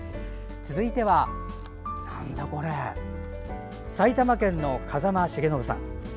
続いては埼玉県の風間重信さん。